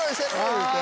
言うて。